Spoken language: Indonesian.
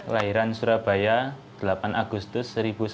lahiran surabaya delapan agustus seribu sembilan ratus empat puluh